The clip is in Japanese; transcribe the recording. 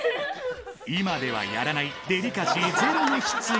今ではやらないデリカシーゼロの質問。